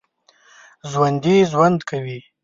ژوندي ژوند کوي